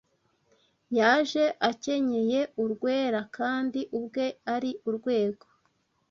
Yaje akenyeye urwera Kandi ubwe ari urwego